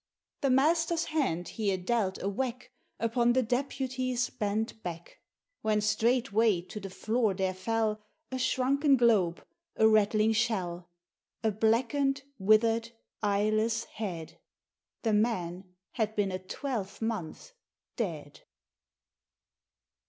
The Master's hand here dealt a whack Upon the Deputy's bent back, When straightway to the floor there fell A shrunken globe, a rattling shell A blackened, withered, eyeless head! The man had been a twelvemonth dead.